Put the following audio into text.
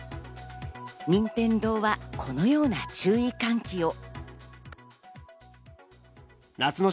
任天堂はこのような注意喚起を。